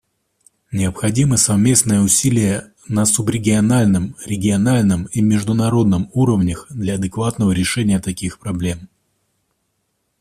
Необходимы совместные усилия на субрегиональном, региональном и международном уровнях для адекватного решения таких проблем.